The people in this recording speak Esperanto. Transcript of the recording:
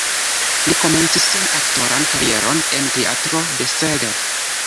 Li komencis sian aktoran karieron en Teatro de Szeged.